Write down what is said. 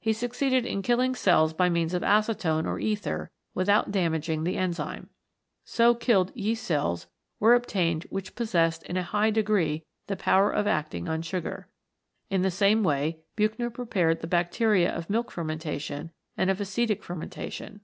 He succeeded in killing cells by means of acetone or ether without damag ing the enzyme. So killed yeast cells were ob tained which possessed in a high degree the power of acting on sugar. In the same way Buchner prepared the bacteria of milk fermentation and of acetic fermentation.